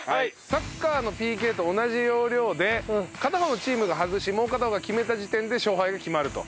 サッカーのＰＫと同じ要領で片方のチームが外しもう片方が決めた時点で勝敗が決まると。